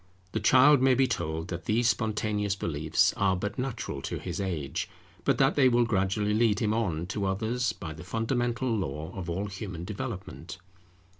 The child may be told that these spontaneous beliefs are but natural to his age, but that they will gradually lead him on to others, by the fundamental law of all human development.